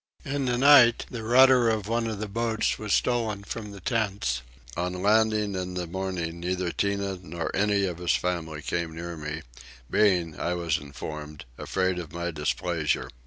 In the night the rudder of one of the boats was stolen from the tents. On landing in the morning neither Tinah nor any of his family came near me, being, I was informed, afraid of my displeasure.